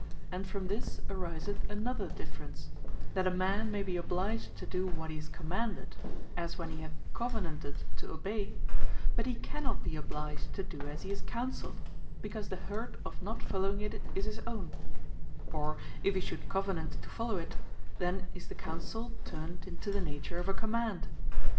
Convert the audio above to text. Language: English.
And from this ariseth another difference, that a man may be obliged to do what he is Commanded; as when he hath covenanted to obey: But he cannot be obliged to do as he is Counselled, because the hurt of not following it, is his own; or if he should covenant to follow it, then is the Counsell turned into the nature of a Command.